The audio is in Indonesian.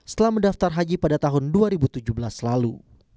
setelah mendaftar haji pada tahun dua ribu tujuh belas lalu